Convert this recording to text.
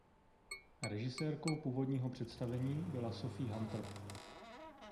Režisérkou původního představení byla Sophie Hunter.